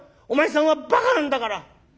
お前さんはばかなんだから。